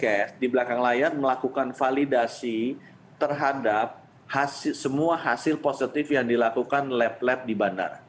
kes di belakang layar melakukan validasi terhadap semua hasil positif yang dilakukan lab lab di bandara